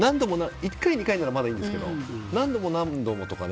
１回、２回ならまだいいんですけど何度も何度もとか。